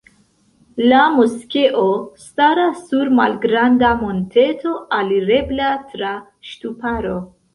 La moskeo staras sur malgranda monteto alirebla tra ŝtuparo.